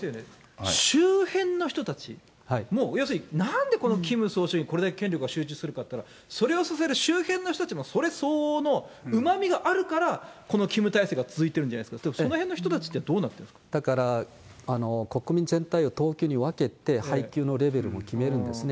周辺の人たちも、要するになんでこのキム総書記にこれだけ権力が集中するかといったら、それをさせる周辺の人たちも、それ相応のうまみがあるから、このキム体制が続いてるんじゃないですか、そのへんの人たちってだから、国民全体を等級に分けて、配給のレベルも決めるんですね。